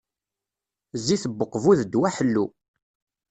Zzit n Uqbu d ddwa ḥellu.